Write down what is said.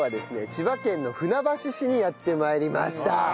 千葉県の船橋市にやって参りました。